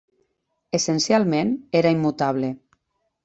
Essencialment era immutable.